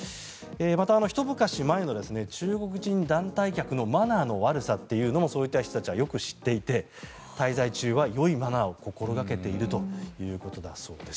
また、ひと昔前の中国人団体客のマナーの悪さというのもそういった人たちはよく知っていて滞在中は、よいマナーを心掛けているということだそうです。